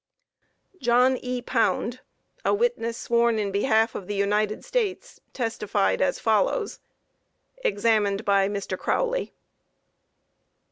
_ JOHN E. POUND, a witness sworn in behalf of the United States, testified as follows: Examined by MR. CROWLEY.